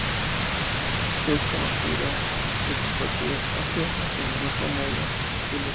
Es conocida su simpatía hacia el nacionalismo negro y los movimientos de resistencia.